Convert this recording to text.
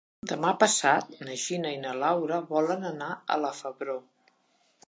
Demà passat na Gina i na Laura volen anar a la Febró.